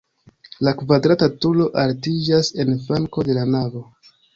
La kvadrata turo altiĝas en flanko de la navo.